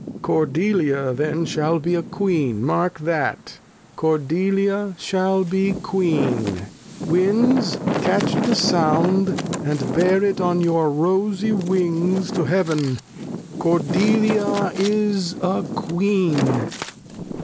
Cordelia then shaU be a Queen, mark that : Cordelia shall be a Queen ; Winds catch the Sound, And bear it on your rosie Wings to Heav'n. Cordelia is a Queen.